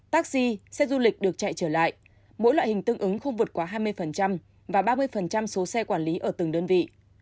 taxi xe du lịch được chạy trở lại mỗi loại hình tương ứng không vượt quá hai mươi và ba mươi số xe quản lý ở từng đơn vị